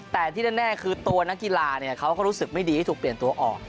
แต่ที่แน่คือตัวนักกีฬาเขาก็รู้สึกไม่ดีที่ถูกเปลี่ยนตัวออก